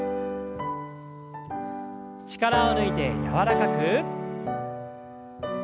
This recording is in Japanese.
力を抜いて柔らかく。